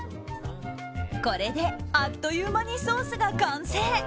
これであっという間にソースが完成。